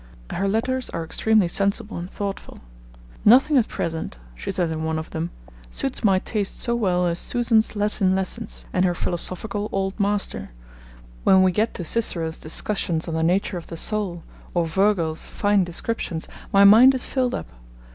Her letters are extremely sensible and thoughtful. 'Nothing at present,' she says in one of them, 'suits my taste so well as Susan's Latin lessons, and her philosophical old master ... When we get to Cicero's discussions on the nature of the soul, or Virgil's fine descriptions, my mind is filled up.